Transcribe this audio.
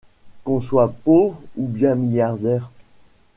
Qu’on soit pauvre ou bien milliardaire. ..